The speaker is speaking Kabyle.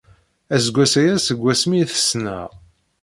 Aseggas aya seg wasmi i t-ssneɣ.